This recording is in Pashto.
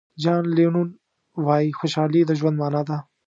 جان لینون وایي خوشحالي د ژوند معنا ده.